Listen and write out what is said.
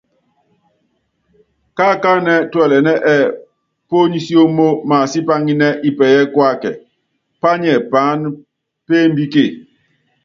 Kaákáánɛ́ tuɛlɛnɛ́ ɛ́ɛ́ pónisiómo maasipaŋínɛ Ipɛyɛ Kuákɛ, pányɛ paáná peEmbíke.